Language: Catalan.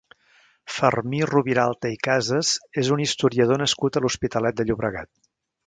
Fermí Rubiralta i Casas és un historiador nascut a l'Hospitalet de Llobregat.